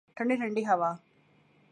ٹھنڈی ٹھنڈی ہوا